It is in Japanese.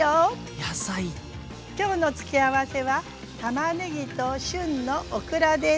今日の付け合わせはたまねぎと旬のオクラです。